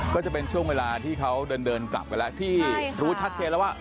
ก็จะเป็นช่วงเวลาที่เขาเดินกลับกันแล้วที่รู้ชัดเจนแล้วว่า